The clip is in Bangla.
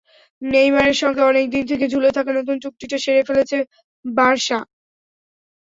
নেইমারের সঙ্গে অনেক দিন থেকে ঝুলে থাকা নতুন চুক্তিটা সেরে ফেলছে বার্সা।